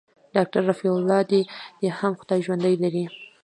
ډاکتر رفيع الله دې هم خداى ژوندى لري.